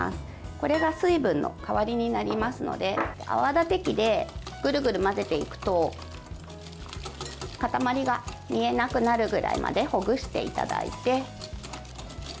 これが水分の代わりになりますので泡立て器でぐるぐる混ぜていくと固まりが見えなくなるぐらいまでほぐしていただいて。